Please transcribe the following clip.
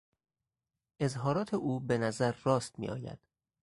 اظهارات او به نظر راست میآید.